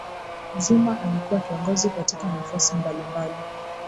zuma alikuwa kiongozi katika nafasi mbalimbali